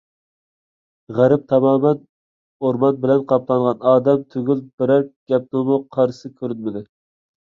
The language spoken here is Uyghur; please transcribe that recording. غەرب تامامەن ئورمان بىلەن قاپلانغان، ئادەم تۈگۈل، بىرەر كەپىنىڭمۇ قارىسى كۆرۈنمىدى.